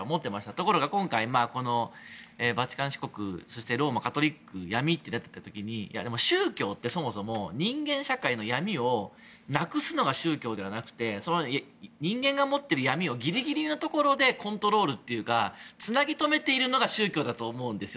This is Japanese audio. ところが今回のバチカン市国、そしてローマカトリックの闇ということで宗教ってそもそも人間社会の闇をなくするのが宗教ではなくて人間が持っている闇をぎりぎりのところでコントロールというかつなぎとめているのが宗教だと思うんですよ。